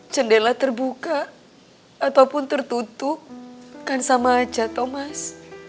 jendela terbuka ataupun tertutup kan sama aja thomas